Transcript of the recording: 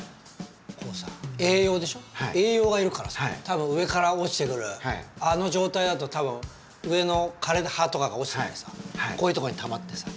こうさ栄養でしょ栄養が要るからさたぶん上から落ちてくるあの状態だとたぶん上の枯れた葉とかが落ちてきてさこういうとこにたまってさ。